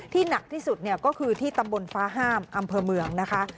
หนักที่สุดเนี่ยก็คือที่ตำบลฟ้าห้ามอำเภอเมืองนะคะ